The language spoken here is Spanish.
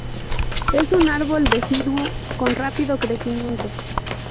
Es un árbol deciduo, con rápido crecimiento.